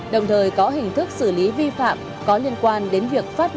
đồng thời có hình thức xử lý vi phạm có liên quan đến việc phát hiện